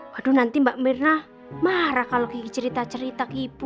waduh nanti mbak mirna marah kalau cerita cerita ke ibu